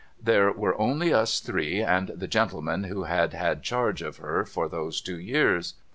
There were only us three and the gentle man who had had charge of her for those two years.